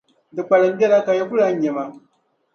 Di kpalim biɛla ka yi ku lan nya ma.